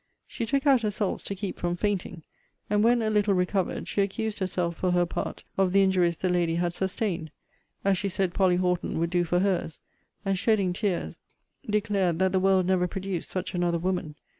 She took out her salts to keep from fainting; and when a little recovered she accused herself for her part of the injuries the lady had sustained; as she said Polly Horton would do for her's; and shedding tears, declared, that the world never produced such another woman.